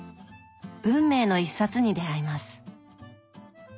運命の一冊に出会います。